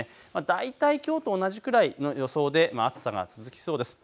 大体きょうと同じくらいの予想で暑さが続きそうです。